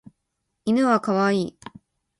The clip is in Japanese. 犬はかわいい